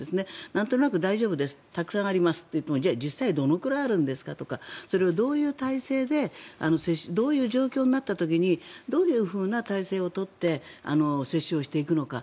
なんとなく、大丈夫ですたくさんありますと言ってもじゃあ実際どのくらいあるんですかとかそれをどういう体制でどういう状況になった時にどういうふうな体制を取って接種をしていくのか。